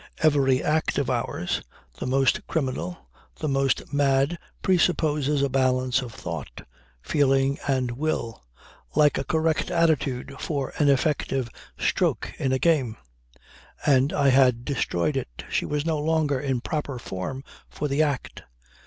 Every act of ours, the most criminal, the most mad presupposes a balance of thought, feeling and will, like a correct attitude for an effective stroke in a game. And I had destroyed it. She was no longer in proper form for the act.